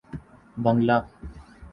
بنگلہ